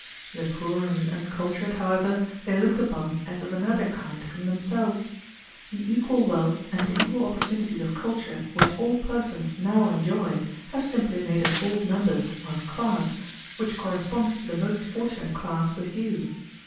The poor and the uncultured, however, they looked upon as of another kind from themselves. The equal wealth and equal opportunities of culture which all persons now enjoy have simply made us all members of one class, which corresponds to the most fortunate class with you.